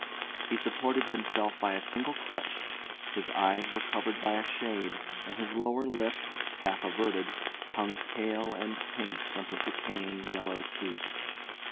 He supported himself by a single crutch, his eyes were covered by a shade, and his lower lip, half averted, hung pale and pink from his decaying yellow teeth.